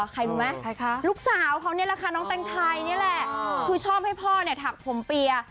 ใครรู้ไหมลูกสาวเขานี่แหละค่ะน้องแตงไทยนี่แหละคือชอบให้พ่อเนี่ยถักผมเปียร์